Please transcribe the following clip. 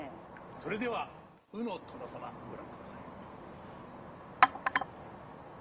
それでは「鵜の殿様」ご覧ください。